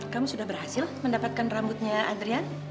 kamu sudah berhasil mendapatkan rambutnya adrian